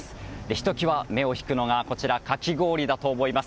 ひときわ目を引くのがかき氷だと思います。